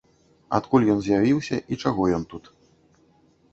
Адкуль ён з'явіўся і чаго ён тут.